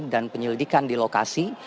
dan penyelidikan di lokasi